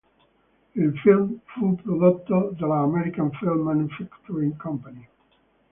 Il film fu prodotto dalla American Film Manufacturing Company.